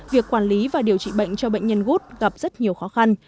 việc quản lý và điều trị bệnh cho bệnh nhân gút gặp rất nhiều khó khăn